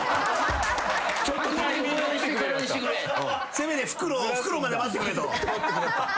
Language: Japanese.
せめて復路まで待ってくれと。